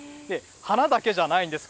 花だけじゃないんです。